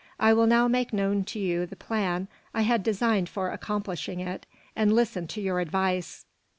I will now make known to you the plan I had designed for accomplishing it, and listen to your advice."